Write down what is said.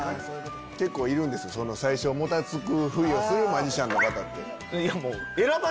結構いるんですよ最初もたつくふりをするマジシャン。